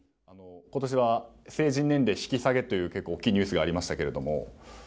今年は成人年齢引き下げという大きなニュースがありましたが。